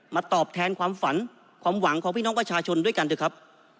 ตอบแทนความฝันความหวังของพี่น้องประชาชนด้วยกันเถอะครับ